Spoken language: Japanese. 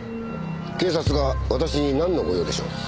警察が私になんの御用でしょう。